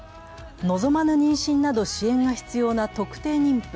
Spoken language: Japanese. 望まぬ妊娠など支援が必要な特定妊婦。